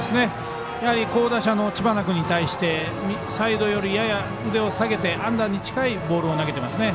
好打者の知花君に対してサイド寄り、やや腕を下げてアンダーに近いボールを投げてます。